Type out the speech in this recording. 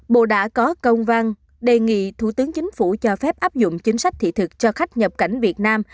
bộ đã có công văn đề nghị thủ tướng chính phủ cho phép áp dụng chính sách thị thực cho khách nhập cảnh việt nam